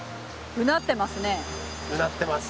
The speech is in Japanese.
うなってます。